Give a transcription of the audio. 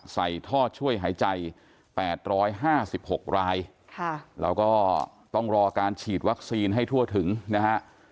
ใส่ท่อช่วยหายใจแปดร้อยห้าสิบหกรายค่ะแล้วก็ต้องรอการฉีดวัคซีนให้ทั่วถึงนะฮะ